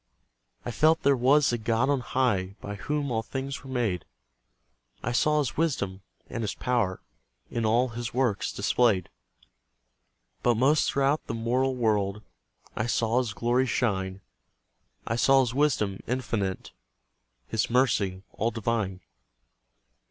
I felt there was a God on high, By whom all things were made; I saw His wisdom and His power In all his works displayed. But most throughout the moral world, I saw his glory shine; I saw His wisdom infinite, His mercy all divine.